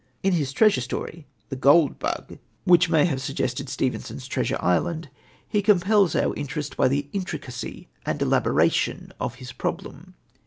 In his treasure story The Gold Bug, which may have suggested Stevenson's Treasure Island he compels our interest by the intricacy and elaboration of his problem.